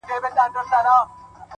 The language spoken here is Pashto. د حالاتو سترگي سرې دې له خماره;